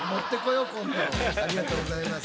ありがとうございます。